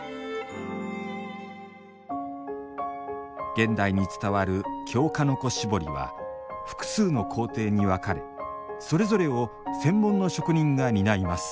現代に伝わる京鹿の子絞りは複数の工程に分かれそれぞれを専門の職人が担います。